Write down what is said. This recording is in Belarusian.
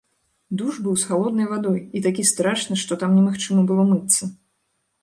Душ быў з халоднай вадой і такі страшны, што там немагчыма было мыцца.